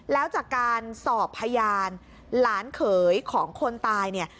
แล้วจากการสอบพยานหลานเขยของคนตายเนี่ย